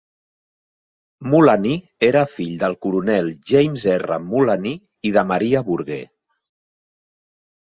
Mullany era fill del coronel James R. Mullany i de Maria Burger.